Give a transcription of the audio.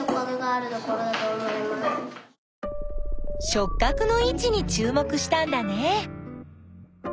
しょっ角の位置にちゅう目したんだね。